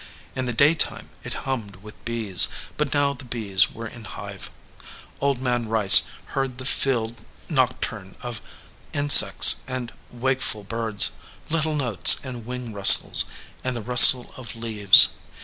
In the daytime it hummed with bees, but now the bees were in hive. Old Man Rice heard the field noc turne of insects and wakeful birds, little notes and wing rustles, and the rustle of leaves.